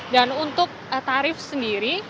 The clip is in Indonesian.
dan untuk tarif sendiri